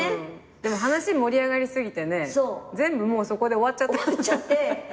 でも話盛り上がり過ぎてね全部もうそこで終わっちゃった。